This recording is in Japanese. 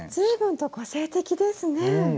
随分と個性的ですね。